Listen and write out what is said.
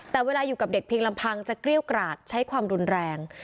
แต่เวลาอยู่กับเด็กเพียงลำพังจะเกรี้ยวกราดใช้ความรุนแรง